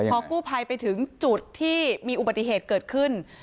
พอกู้ภัยไปถึงจุดที่มีอุบัติเหตุเกิดขึ้น